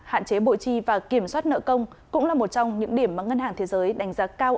hạn chế bội chi và kiểm soát nợ công cũng là một trong những điểm mà ngân hàng thế giới đánh giá cao